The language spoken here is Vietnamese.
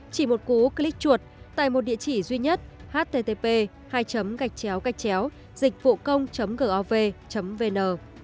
chỉ một cú click chuột tại một địa chỉ duy nhất http dịchvucong gov vn